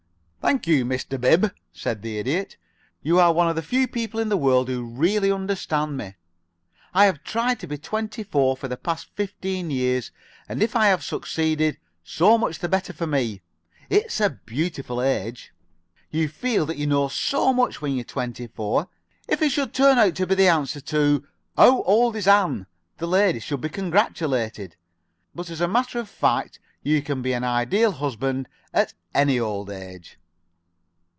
"Thank you, Mr. Bib," said the Idiot. "You are one of the few people in the world who really understand me. I have tried to be twenty four for the past fifteen years, and if I have succeeded, so much the better for me. It's a beautiful age. You feel that you know so much when you're twenty four. If it should turn out to be the answer to 'How old is Ann?' the lady should be congratulated. But, as a matter of fact, you can be an Ideal Husband at any old age."